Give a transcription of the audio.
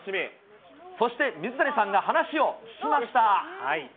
そして、水谷さんが話を聞きました。